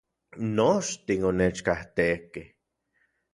Nochtin onechkajtekej